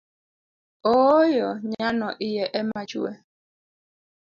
Ooyo nyano iye ema chue